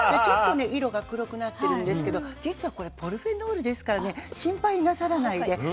ちょっとね色が黒くなってるんですけど実はこれポリフェノールですからね心配なさらないで。